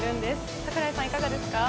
櫻井さん、いかがですか？